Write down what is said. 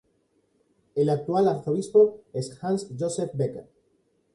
El actual arzobispo es Hans-Josef Becker.